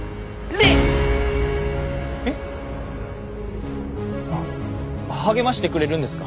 えっ励ましてくれるんですか。